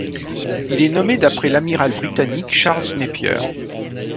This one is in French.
Il est nommé d'après l'amiral britannique Charles Napier.